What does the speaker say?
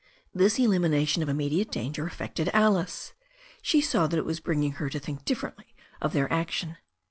This elimination of immediate danger affected Alice. She saw that it was bringing her to think differently of their action.